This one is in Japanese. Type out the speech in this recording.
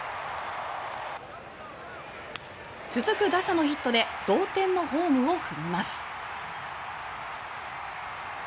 続く打者のヒットで同点のホームを踏みます。